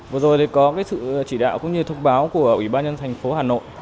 vừa rồi có sự chỉ đạo cũng như thông báo của ủy ban nhân thành phố hà nội